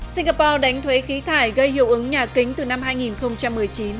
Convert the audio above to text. singapore đánh thuế khí thải gây hiệu ứng nhà kính từ năm hai nghìn một mươi chín